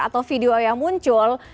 atau video yang muncul